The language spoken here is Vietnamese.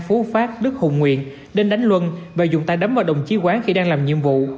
phú phát đức hùng nguyện đến đánh luân và dùng tay đấm vào đồng chí quán khi đang làm nhiệm vụ